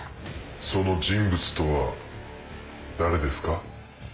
その人物とは誰ですか？